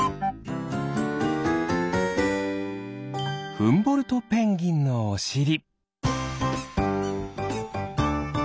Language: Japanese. フンボルトペンギンのおしり。